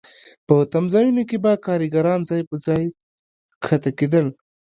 په تمځایونو کې به کارګران ځای ځای ښکته کېدل